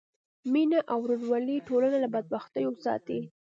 مینه او ورورولي ټولنه له بدبختیو ساتي.